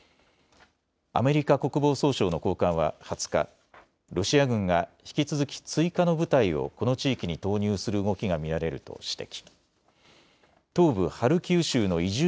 アメリカ国防総省の高官は２０日、ロシア軍が引き続き追加の部隊をこの地域に投入する動きが見られると指摘。